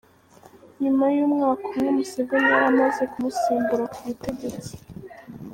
Nyuma y’umwaka umwe Museveni yari amaze kumusimbura ku butegetsi.